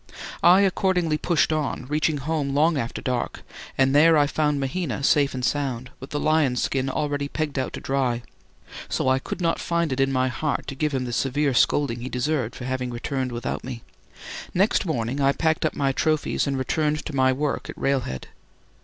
I accordingly pushed on, reaching home long after dark; and there I found Mahina safe and sound, with the lion's skin already pegged out to dry, so that I could not find it in my heart to give him the severe scolding he deserved for having returned without me. Next morning I packed up my trophies and returned to my work at railhead.